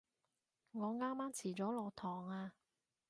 我啱啱遲咗落堂啊